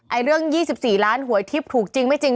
เรื่อง๒๔ล้านหวยทิพย์ถูกจริงไม่จริง